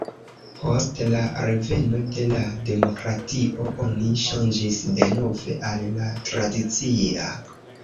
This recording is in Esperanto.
Post la reveno de la demokratio oni ŝanĝis denove al la tradicia.